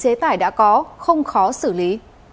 chế tải đã có không khó xử lý